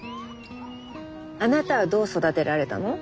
あなたはどう育てられたの？